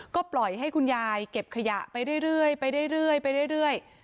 ก็ปล่อยให้คุณยายเก็บขยะไปเรื่อยเรื่อยไปเรื่อยเรื่อยไปเรื่อยเรื่อย